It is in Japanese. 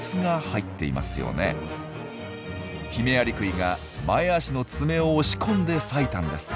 ヒメアリクイが前足の爪を押し込んで裂いたんです。